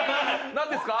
何ですか？